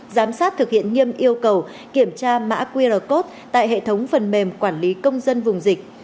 giám sát thực hiện nghiêm yêu cầu kiểm tra mã qr code tại hệ thống phần mềm quản lý công dân vùng dịch